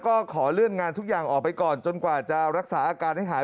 ก็ขอเลื่อนงานทุกอย่างออกไปก่อนจนกว่าจะรักษาอาการให้หาย